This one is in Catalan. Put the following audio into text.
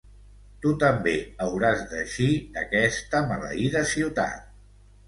Tu també hauràs d'eixir d'aquesta maleïda ciutat.